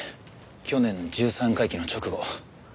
去年十三回忌の直後。